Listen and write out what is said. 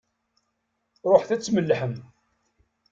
Ṛuḥet ad tmellḥem!